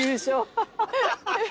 ハハハハ！